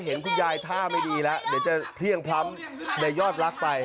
เห็นคุณยายท่าไม่ดีแล้วเดี๋ยวจะเพลี่ยงพล้ำในยอดรักไป